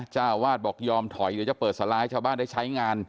เจ้าวาดบอกยอมถอยเดี๋ยวจะเปิดสลายให้ชาวบ้านได้ใช้งาน